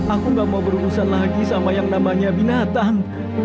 aku gak mau berurusan lagi sama yang namanya binatang